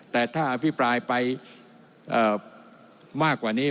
แต่ถ้าอภิปรายไปมากกว่านี้